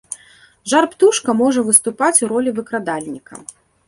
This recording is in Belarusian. Жар-птушка можа выступаць у ролі выкрадальніка.